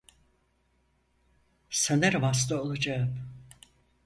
Sanırım hasta olacağım.